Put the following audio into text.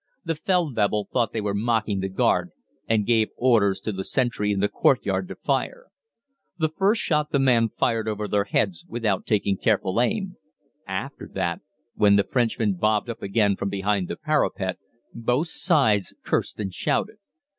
The Feldwebel thought they were mocking the guard, and gave orders to the sentry in the courtyard to fire. The first shot the man fired over their heads without taking careful aim. After that, when the Frenchmen bobbed up again from behind the parapet, both sides cursed and shouted.